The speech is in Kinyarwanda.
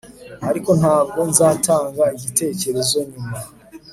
Ariko ntabwo nzatanga igitekerezo nyuma